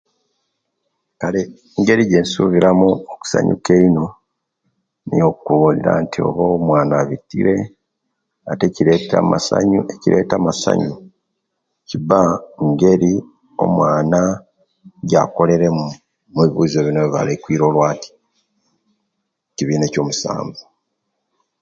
Kale ngeri ejesuubiramu okusanyuka eino niyo okubulira nti oba omwaana abitire ate kireta ekireta amasanyu kiba ngeri omwaana ejakolelemu omubibuzo bino ebibalekwiire olwati ebyo kibina ekyo'musaavu.